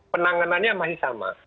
penanganannya masih sama